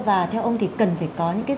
và theo ông thì cần phải có những cái